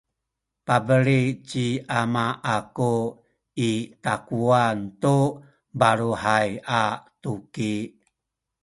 pabeli ci ama aku i takuwan tu baluhay a tuki